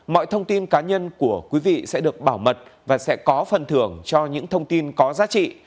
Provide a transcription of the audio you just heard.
mọi thông tin cá nhân của quý vị sẽ được bảo mật và sẽ có phần thưởng cho những thông tin có giá trị